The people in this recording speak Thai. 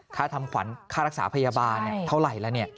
ค่าทำขวัญค่ารักษาพยาบาลเท่าไหร่แล้ว